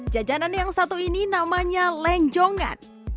jajanan yang satu ini namanya lenjongan